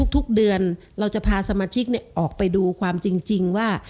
ทุกเดือนเราจะพาสมาชิกออกไปดูความจริงว่า